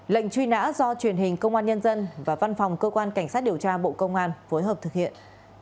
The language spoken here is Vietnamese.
lệnh truy nã do truyền hình công an nhân dân và văn phòng cơ quan cảnh sát điều tra bộ công an phối hợp thực hiện